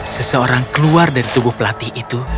seseorang keluar dari tubuh pelatih itu